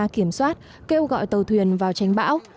kiểm soát kêu gọi tàu thuyền vào tranh bão